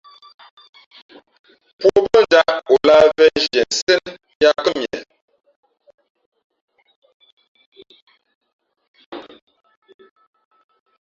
Pō ǒ mbά njāʼ, ǒ lāh mvēnzhiē nά ā nsen yā kά mie.